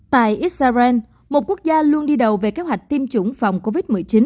tại israel một quốc gia luôn đi đầu về kế hoạch tiêm chủng phòng covid một mươi chín